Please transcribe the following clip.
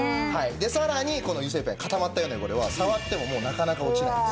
でさらにこの油性ペン固まったような汚れは触ってももうなかなか落ちないです。